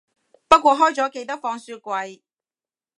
不過開咗記得放雪櫃